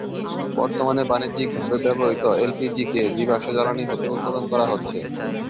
বর্তমানে বাণিজ্যিক ভাবে ব্যবহৃত এল পি জি কে জীবাশ্ম জ্বালানী হতে উৎপাদন করা হচ্ছে।